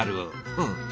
うん。